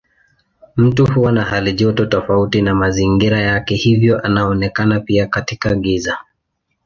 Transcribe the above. Mtu huwa na halijoto tofauti na mazingira yake hivyo anaonekana pia katika giza.